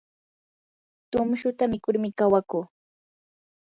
tumshuta mikurmi kawakuu.